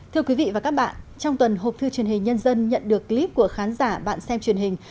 thưa quý vị và các bạn trong tuần hộp thư truyền hình nhân dân nhận được clip của khán giả bạn xem truyền hình